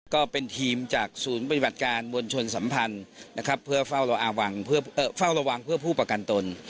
ก็เป็นทีมจากสูญปฏิบัติการวนชนสัมพันธ์นะครับเพื่อเฝ้าระวังเพื่อผู้ประกันตน